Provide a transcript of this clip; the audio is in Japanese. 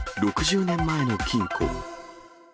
６０年前の金庫。